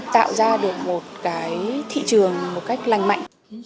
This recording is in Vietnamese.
tạo ra được một cái thị trường một cách lành mạnh